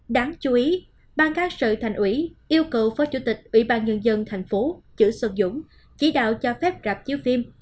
đáng chú ý ban cán sự thành ủy yêu cầu phó chủ tịch ủy ban nhân dân thành phố chữ xuân dũng chỉ đạo cho phép rạp chiếu phim